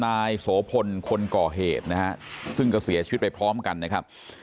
นายโสพลคนก่อเหตุนะฮะซึ่งก็เสียชีวิตไปพร้อมกันนะครับ